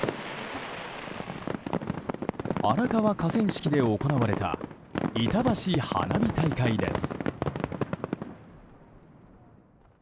荒川河川敷で行われたいたばし花火大会です。